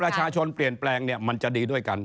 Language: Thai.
ถ้าประชาชนเปลี่ยนแปลงมันจะดีด้วยกัน